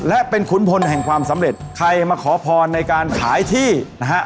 และเป็นขุนพลแห่งความสำเร็จใครมาขอพรในการขายที่นะฮะ